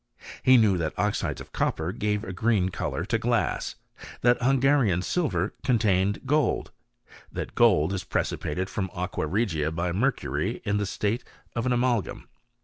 He knew that oxides of copper gave a green colour to glass ; that Hungarian silver contained gold; that gold is precipitated from aqua regia by mercury, in the state of an amalgam.